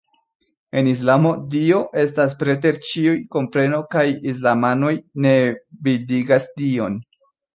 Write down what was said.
En Islamo, Dio estas preter ĉiu kompreno kaj islamanoj ne bildigas Dion.